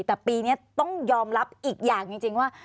แต่ปีนี้ต้องยอมรับอีกอย่างจริงว่า